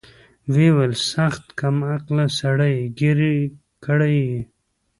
ويې ويل سخت کم عقله سړى يې ګير کړى يې.